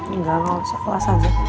engga ga usah kelas aja